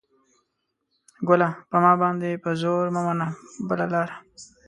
ګله ! په ما باندې په زور مه منه بله لاره